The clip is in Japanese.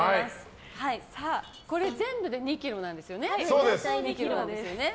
これ全部で２ｋｇなんですよね。